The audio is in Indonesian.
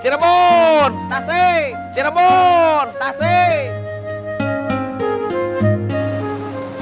cirebon tasik cirebon tasik